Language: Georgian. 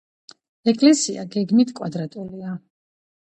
ეკლესია გეგმით კვადრატულია.